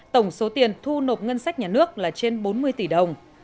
tổng số tiền thu nộp ngân sách nhà nước là trên bốn mươi tỷ đồng